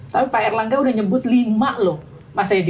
tapi pak erlangga udah nyebut lima loh mas edi